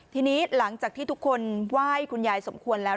ทีนี้หลังจากที่ทุกคนไหว้คุณยายสมควรแล้ว